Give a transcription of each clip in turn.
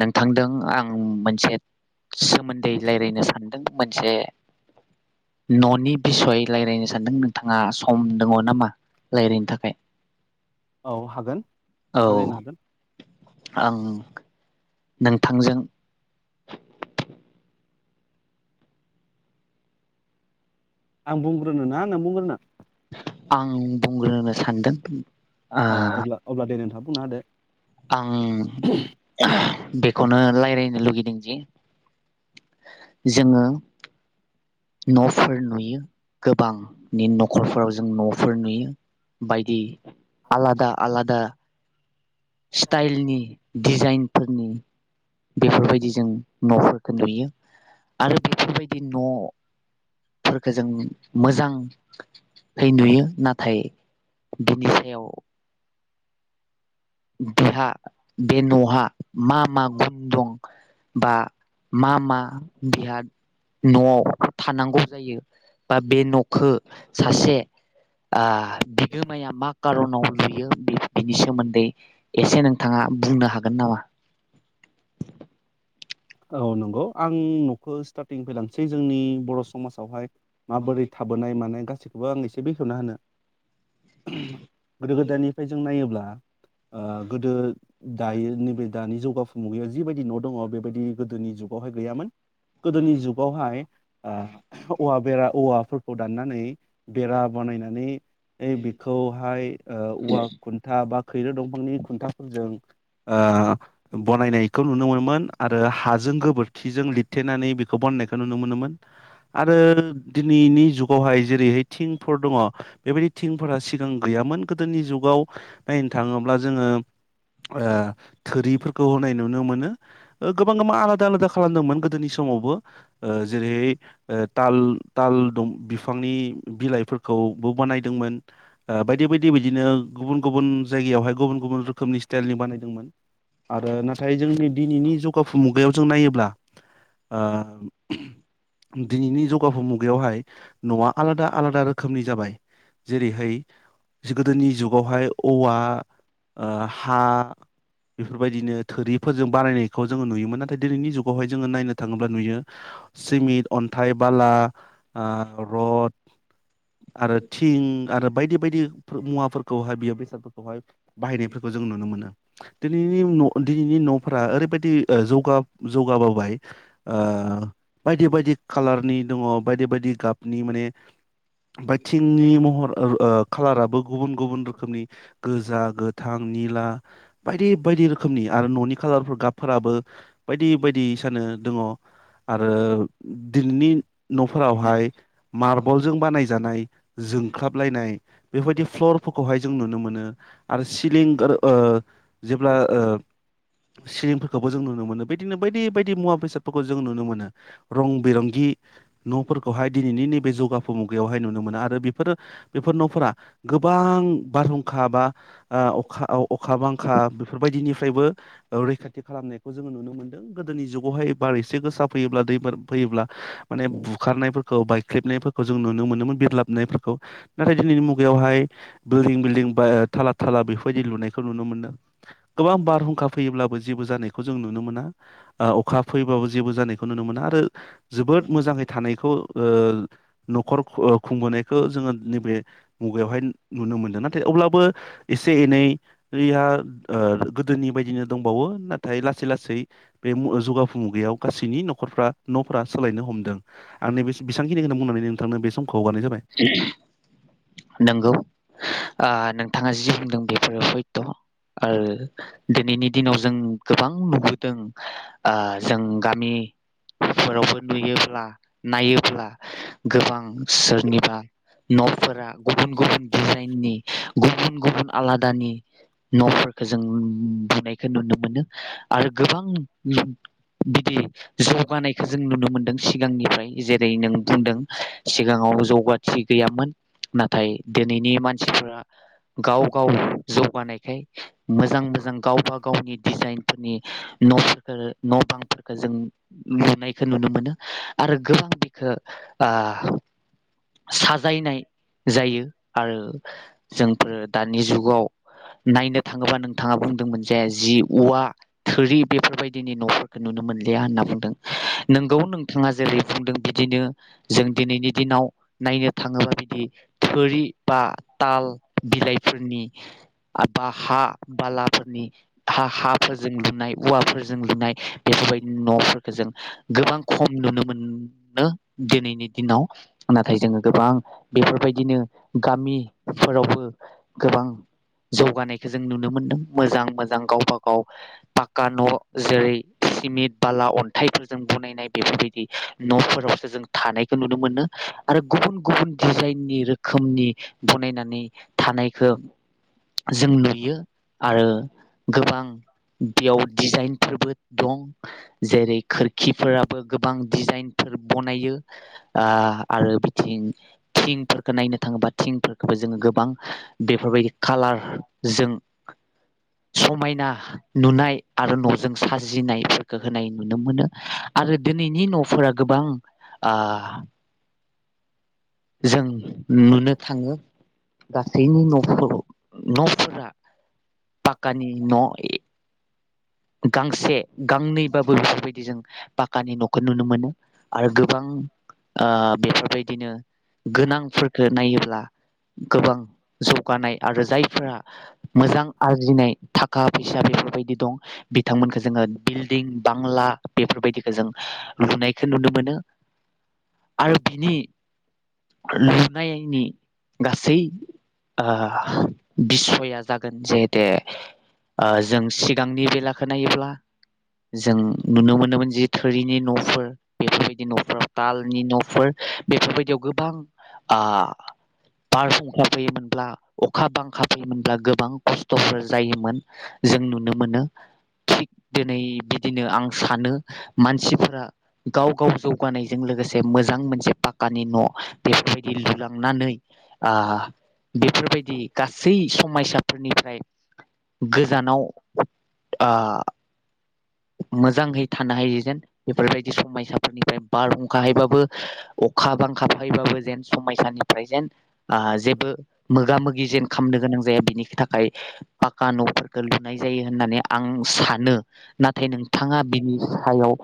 नोंथांदों आं मोनसे सोमोन्दै रायलायनो सानदों मोनसे न'नि बिसय रायलायनो सानदों नोंथाङा सम दङ' नामा? रायलायनो थाखाय औ हागोन औ रायलायनो हागोन। आं नोंथांजों [inaudible] आं बुंग्रोनो ना नों बुंग्रोनो? आं बुंग्रोनो सानदों। ओ अ अब्ला अब्ला दे नोंथाङा बुंना होदो। आं बे खौनो रायलायनो लुगैदों जे जोङो न'फोर नुयो गोबांनि न'खरफोराव जों न'फोर नुयो बायदि आलादा आलादा स्टाइलनि डिजाइनफोरनि बेफोरबायदि जों न'फोरखो नुयो। आरो बेफोरबायदि न' फोरखो जों मोजां नुयो नाथाय बिनि सायाव बिहा बे न'हा मा मा गुन दं बा मा मा बिहा न'आव थानांगौ जायो बा बे न'खौ सासे ओ बिगोमाया मा कार'नाव लुयो बिनि सोमोन्दै एसे नोंथाङा बुंनो हागोन नामा? औ नंगौ आं न'खौ स्टार्टिं निफ्राय लांसै जोंनि बर' समाजावहाय माबोरै थाबोनाय माने गासै गसिखौबो आं एसे बेखेवना होनो गोदो गोदायनिफ्राय जों नायोब्ला ओ गोदो दायो नैबे दानि जौगावफु मुगायाव जिबायदि न' दङ' बेबायदि गोदोनि जुगावहाय गैयामोन। गोदोनि जुगावहाय औवा बेरा औवाफोर खौ दाननानै बेरा बानायनानै बेखौहाय ओ औवा खुन्था बा खैरो दंफांनि खुन्थाफोरजों बनायनायखौ नुनोमोनोमोन। आरो हाजों गोबोरखिजों लिरथेनानै बेखौ बननायखो नुनो मोनोमोन। आरो दिनैनि जुगावहाय जेरैहाय थिंफोर दङ' बेबायदि थिंफोरा सिगां गैयामोन गोदोनि जुगाव नायनो थाङोब्ला जोङो ओ थोरिफोरखौ होनाय नु नुनो मोनो ओग गोबां मा आलादा आलादा खालामदोंमोन गोदोनि समावबो। ओ जेरै- ओ ताल ताल दं बिफांनि बिलाइफोरखौबो बानायदोंमोन बायदि बायदि बिदिनो गुबुन गुबुन जायगायावहाय गुबुन गुबुन रोखोमनि स्टाइलनि बानायदोंमोन। आरो नाथाय जोंनि दिनैनि जुग गाफु मुगायाव जों नायोब्ला ओ दिनैनि जौगाफु मुग बेयावहाय न'आ आलादा आलादा रोखोमनि जाबाय। जेरैहाय जिगोदोनि जुगावहाय औवा ओ हा बेफोरबायदिनो थोरिफोरजों बानायनाय। खौ जोङो नुयोमोन नाथाय दिनैनि जुगावहाय जोङो नायनो थाङोब्ला नुयो सिमिन्ट अन्थाइ बाला ओ रड। आरो थिं आरो बायदि बायदि फोर मुवाफोरखौहाय बियो बेसादफोरखौहाय। बाहायनायफोरखौ जों नुनो मोनो। दिनैनि न' दिनैनि न'फोरा ओरैबायद। दि जौगा जौगाबोबाय। बायदि बायदि खाालारनि। दङ बायदि बायदि गाबनि माने। बा थिंनि महर। ओ खालाराबो गुबुन गुबुन रोखोमनि गोजा गोथां निला। बायदि बायदि रोखोमनिया। आरो न'नि खाालारफोर गाब। फोराबो बायदि बायदि सानो दङ। आरो। दिनैनि न'फोरावहाय मारबलजों बानायजानाय जोंख्लाबलायनाय बेबायदि फ्लरफोरखौहाय जों नुनो मोनो आरो सिलिं ओ जेब्ला ओ सिलिं खौबो जों नुनो मोनो बिदिनो बायदि बायदि मुवा बेसादफोरखौ जों नुनो मोनो रं बिरंगि न'फोरखौहाय दिनैनि नैबे जौगाफु मुगायावहाय नुनो मोनो आरो बेफोरो बेफोर न'फोरा गोबां बारहुंखा बा अखा अखा बांखा बेफोरबायदिनिफ्रायबो रैखाथि थि खालामनायखौ जोङो नुनो मोनदों गोदोनि जुगावहाय बार एसे गोसा फैयोब्ला दै बार फैयोब्ला माने बुखारनाय- बायख्रेबनायफोरखौ जों नुनो मोनोमोन बिरलाबनायफोरखौ नाथाय दिनैनि मुगायावहाय बिल्डिं बिल्डिं थाला बेफोरबायदि लुनायखौ नुनो मोन्दों गोबां बारहुंखा फैयोब्लाबो जेबो जानायखौ जों नुनो मोना अखा फैबाबो जेबो जानायखौ नुनो मोना आरो जोबोद मोजाङै थानाय खौ ओ न'खर खुंबोनायखौ जोङो नैबे मुगायावहाय नुनो मोनदों ना- थाय अब्लाबो एसे एनै [unintelligible] गोदोनि बायदिनो दंबावो नाथाय लासै लासै बे जौगाफु मुगायाव गासैनि न'खरफ्रा न'फोरा सोलायनो हमदों आं नैबे बेसांखिनिखौनो बुंनानै नोंथांनो बे सम नंगौ ओ नोंथाङा जि बुंदों बेफोरो सयथ' आरो दिनैनि दिनाव जों गोबां नुबोदों ओ जों गामिफोरावबो नुयोब्ला नायोब्ला गोबां - न'फोरा गुबुन गुबुन दिजाइननि गुबुन गुबुन आलादानि न'फोरखौ जों लुनायखौ नुनो मोनो आरो गोबां बिदि जौगानायखौ जों नुनो मोन्दों सिगांनिफ्राय जेरै नों बुंदों सिगाङाव जौगाथि गैयामोन नाथाय दिनैनि मानसिफ्रा गाव गाव जौगानायखाय मोजां मोजां गावबा गावनि डिजाइनफोरनि न'फोरखौ न' बांफोरखौ जों लुनायखौ नुनो मोनो आरो गोबां बेखो साजायनाय जायो आरो जोंफोरो दानि जुगाव नायनो थाङोबा नोंथाङा बुंदोंमोन जाय जि औवा थोरि बेफोरबायदिनि न'फोरखौ नुनो मोनलिया होनना बुंदों नोंगौ नोंथाङा जेरै बुंदों बिदिनो जों दिनैनि दिनाव नायनो थाङोबा बिदि थोरि बा ताल बिलाइफोरनि बा हा बालाफोरनि हाफोरजों लुनाय औवाफोरजों लुनाय बेफोरबायदि न'फोरखौ जों गोबां खम नुनो मोन दिनैनि दिनाव नाथाय जोङो गोबां बेफोरबायदिनो गामिफोरावबो गोबां जौगानायखौ जों नुनो मोन्दों मोजां मोजां गावबा गाव पाका न' जेरै सिमिन्ट बाला अन्थाइफोरजों बनायनाय बेफोरबायदि न'फोरावसो जों थानाय नुनो मोनो आरो गुबुन गुबुन डिजाइननि रोखोमनि बनायनानै थानायखौ जों नुयो आरो गोबां बेयाव डिजाइनफोरबो दं जेरै खोरखिफोराबो गोबां डिजाइनफोर बनायो आ बिथिं थिंफोरखौ नायनो थाङोबा थिंफोरखौ जोङो गोबां बेफोरबायदि खालार जों समायना नुनाय आरो न'जों साजिनायफोर होनाय नुनो मोनो। आरो दिनैनि न'फोरा गोबां ओ जों नुनो थाङो गासैनि न'फोराव न'फोरा पाकानि न' गांसे गांनैबाबो बेफोरबायदि जों पाक्कानि न'खौ नुनो मोनो आरो गोबां बेफोरबायदिनो गोनांफोरखौ नायोब्ला [inaudible] गोबां जौगानाय आरो जायफोरा मोजां आरजिनाय था खा फैसा बेफोरबायदि दं बिथांमोनखो जोङो बिल्डिं बांला बेफोरबायदिखो जों लुनायखो नुनो मोनो। आरो बिनि लुनायनि गासै ओ बिसया जागोन जेहेते ओ जों सिगांनि बेला खो नायोब्ला जों नुनो मोनोमोन जि थोरिनि न'फोर बेफोरबायदि न' फोर तालनि नफोर बेफोरबायदियाव गोबां आ बारहुंखा फैयोमोनब्ला अखा बांखा फैयोमोनब्ला गोबां कस्टफोर जायोमोन जों नुनो मोनो। थिग दिनै बिदिनो आं सानो मानसिफोरा गाव गाव जौगानायजों लोगोसे मो जां मोनसे पाकानि न बेफोरबायदि लुलांनानै ओ बेफोरबायदि गासै समायसाफोरनिफ्राय गोजानाव आ मोजांहै थानो हायो जेन बेफोरबायदि समायसाफोरनिफ्राय बारहुंखाहैबाबो अखा बांखा फायबाबो जेन समायसानिफ्राय जेन आ जेबो मोगा मोगि जेन खामनो गोनां जाया बिनि थाखाय पाक्का नफोरखो लुनाय जायो होननानै सानो नाथाय नोंथाङा बिनि सायाव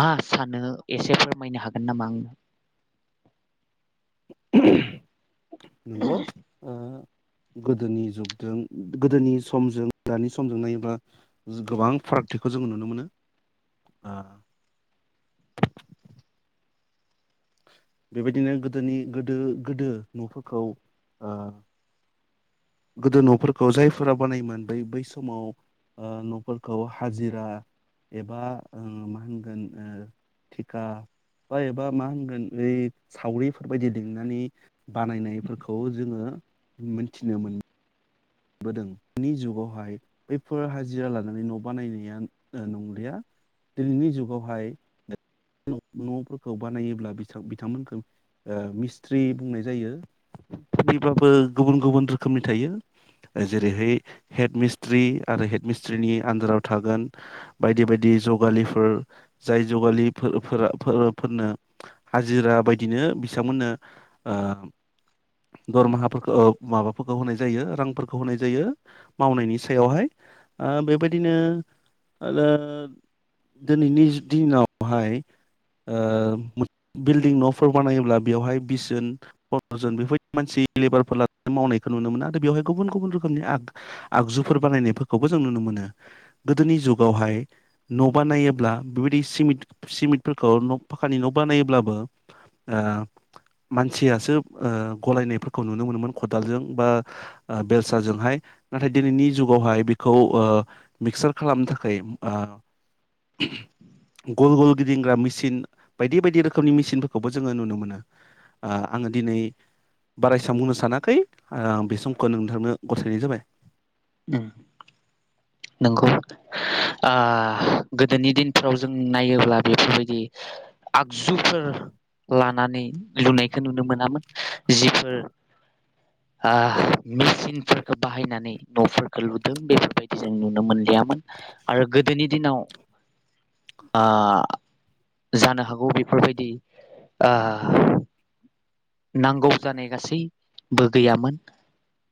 मा सानो एसे फोर मैनो हागोन नामा आं नंगौ ओ गोदोनि जुगजों गोदोनि समजों दानि समजों नायोब्ला गोबां फारागथिखौ जों नुनो मोनो ओ बेबायदिनो गोदोनि गोदो गोदो नफोरखौ ओ गोदो न'फोरखौ जायफोरा बानायोमोन बै बै समाव ओ न'फोरखौ हाजिरा एबा ओ मा होनगोन ओ थिका बा एबा मा होनगोन ओइ सावरिफोरबायदि लिंनानै बानायनायफोरखौ जोङो मोनथिनो मोन बोदों नि जुगावहाय बेब फोर हाजिरा लानानै न' बानायनाया ओ नंलिया दिनैनि जुगावहाय न' न'फोरखौ बानायोब्ला बिथां बिथांमोनखौ ओ मिस थ्रि बुंनाय जायो । थ्रि बाबो गुबुन गुबुन रोखोमनि थायो। जेरैहाय हेड मिस्ट्रि आरो हेड मिस्ट्रिनि आन्दाराव थागोन बायदि बायदि जगालिफोर जाय जगालि फोर फोरा फोरफोरनो हाजिरा बायदिनो बिसांमोननो ओ दरमाहाफोरखो औ माबाफोरखौ होनाय जायो। रांफोरखौ होनाय जायो मावनायनि सायावहाय ओ बेबायदिनो ओलो दोनैनिस दिनाव हाय ओ मो बिल्डिं न'फोर बानायोब्ला बेवहाय बिसजोन पन्द्रजोन बेफोरबायदि मानसि लेबारफोर लानानै मावनायखौ नुनो मोनो आरो बेवहाय गुबुन गुबुन रोखोमनि आग आगजुफोर बानायनायफोरखौबो जों नुनो मोनो गोदोनि जुगावहाय न' बानायोब्ला बेबायदि सिमिट सिमिटफोरखौ न' फाखानि न' बानायोब्लाबो ओ मानसियासो ओ गलायनायफोर खौ नुनो मोनोमोन खदालजों बा ओ बेलसाजोंहाय नाथाय दिनैनि जुगावहाय बिखौ ओ मिक्सार खालामनो थाखाय ओ गल गल गिदिंग्रा मिचिन बायदि बायदि रोखोमनि मेसिनफोरखौबो जोङो नुनो मोनो ओ आङो दिनै बारायसा बुंनो सानाखै ओ बे समखो नोंथांनो गथायनाय जाबाय। उम नंगौ नोंथां आ गोदोनि दिनफ्राव जों नायोब्ला बेफोरबायदि आगजुफोर लानानै लुनायखो नुनो मोनामोन जिफोर आह मेसिनफोरखो बाहायना नै न'फोरखो लुदों बे जों नुनो मोनलिया। मोन आरो गोदोनि दिनाव ओ-जानो हागौ बेफोरबायदि ओ- नांगौ जानाय गासैबो गैयामोन।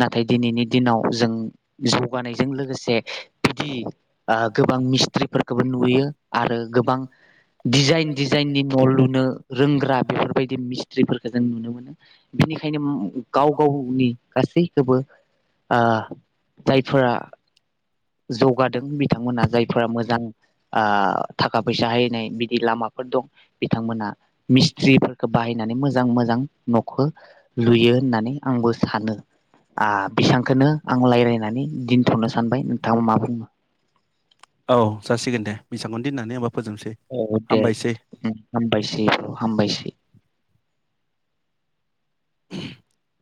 नाथाय दिनैनि दिनाव जों जौगानायजों लोगोसे बिदि ओ-गोबां मिस्ट्रिफोरखौबो नुयो आरो गोबां दिडिजाइन डिजाइननि न' लुनो रोंग्रा बेफोरबायदि मिस्ट्रिफोरखौ नुनो मोनो बेनिखायनो गाव गावनि गासैखौबो ओ-जायफोरा जौगादों बिथांमोना जायफोरा मोजां। ओ-थाखा फैसा हायनाय बिदि लामाफोर दं बिथांमोना मिस्ट्रिफोरखौ बाहायनानै मोजां। मोजां मोजां न'खौ लुयो होननानै आंबो सानो आ- बेसबांखौनो आं रायज्लायनानै दोनथ'नो सानबाय नोंथाङा मा बुङो? औ जासिगोन दे। बेसांखौ दिननानै औ दे आबाय हाबायसै हामबाय सै। [inaudible]